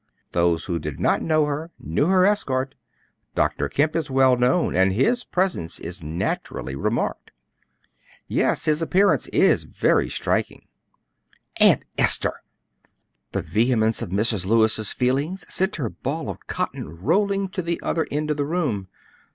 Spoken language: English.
"Those who did not know her, knew her escort. Dr. Kemp is well known, and his presence is naturally remarked." "Yes; his appearance is very striking." "Aunt Esther!" The vehemence of Mrs. Lewis's feelings sent her ball of cotton rolling to the other end of the room.